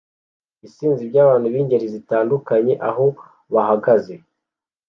Isinzi ryabantu bingeri zitandukanye aho bahagaze